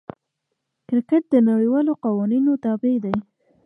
کرکټ د نړۍوالو قوانینو تابع دئ.